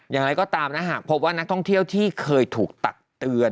อย่างไรก็ตามนะหากพบว่านักท่องเที่ยวที่เคยถูกตักเตือน